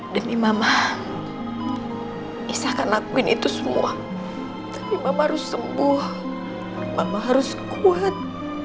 demi mama bisa akan lakuin itu semua tapi mama harus sembuh mama harus kuat